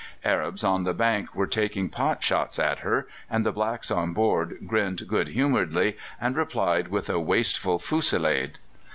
Arabs on the bank were taking pot shots at her, and the blacks on board grinned good humouredly, and replied with a wasteful fusillade.